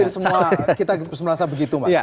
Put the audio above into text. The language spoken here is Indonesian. hampir semua kita merasa begitu mbak